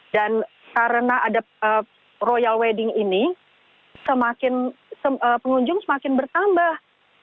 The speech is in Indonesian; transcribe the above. dan karena ada royal wedding ini pengunjung semakin bertambah